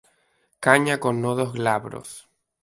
Caña con nodos glabros.